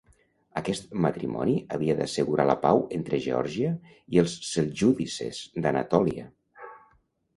Aquest matrimoni havia d'assegurar la pau entre Geòrgia i els seljúcides d'Anatòlia.